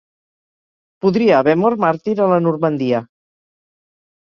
Podria haver mort màrtir a la Normandia.